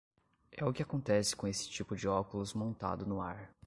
É o que acontece com esse tipo de óculos montado no ar.